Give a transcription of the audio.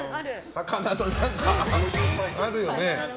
魚の何か、あるよね。